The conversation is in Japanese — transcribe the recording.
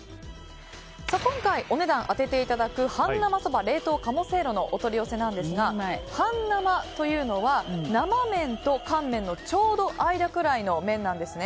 今回、お値段を当てていただく半生そば冷凍鴨せいろのお取り寄せなんですが半生というのは生麺と乾麺のちょうど間くらいの麺なんですね。